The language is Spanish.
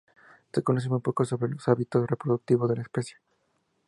Se conoce muy poco sobre los hábitos reproductivos de la especie.